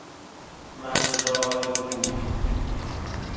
مجرا بول